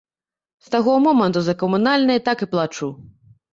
З таго моманту за камунальныя так і плачу.